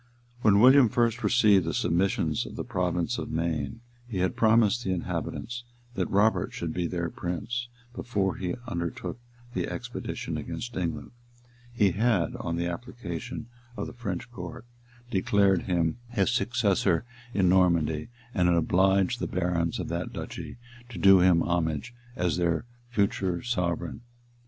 [*] When William first received the submissions of the province of Maine, he had promised the inhabitants that Robert should be their prince; and before he undertook the expedition against England, he had, on the application of the French court, declared him his successor in Normandy, and had obliged the barons of that duchy to do him homage as their future sovereign.